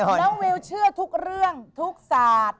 แล้ววิวเชื่อทุกเรื่องทุกศาสตร์